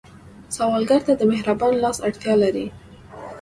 سوالګر ته د مهربان لاس اړتیا لري